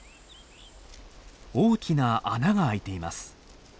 大きな穴が開いています。